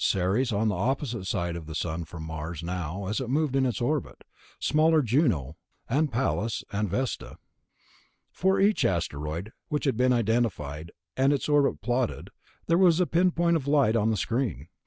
Ceres, on the opposite side of the Sun from Mars now as it moved in its orbit; smaller Juno, and Pallas, and Vesta.... For each asteroid which had been identified, and its orbit plotted, there was a pinpoint of light on the screen.